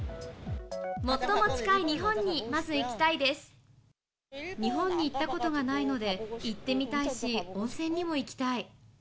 最も近い日本にまず行きたい日本に行ったことがないので、行ってみたいし、温泉にも行きたい。